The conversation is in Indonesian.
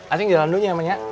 ayo jalan dulu mak